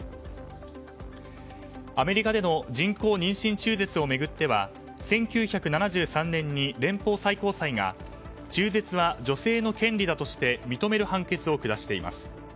アメリカでの人工妊娠中絶を巡っては１９７３年に連邦最高裁が中絶は女性の権利だとして認める判決を下しています。